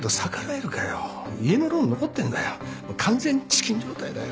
完全チキン状態だよ。